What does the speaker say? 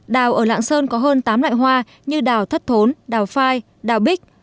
đào ở lạng sơn có hơn tám loại hoa như đào thất thốn đào phai đào bích